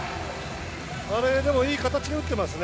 あれでもいい形に打っていますね。